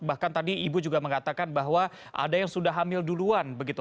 bahkan tadi ibu juga mengatakan bahwa ada yang sudah hamil duluan begitu